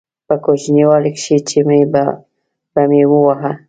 په کوچنيوالي کښې چې به مې واهه.